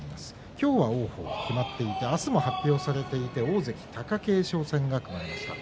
今日は王鵬、決まっていて明日も発表されていて大関貴景勝が組まれました。